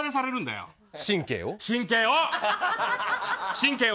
神経を？